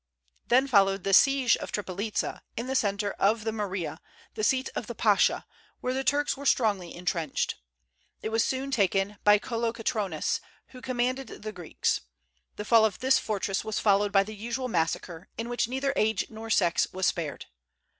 Then followed the siege of Tripolitza, in the centre of the Morea, the seat of the Pasha, where the Turks were strongly intrenched. It was soon taken by Kolokotronis, who commanded the Greeks. The fall of this fortress was followed by the usual massacre, in which neither age nor sex was spared.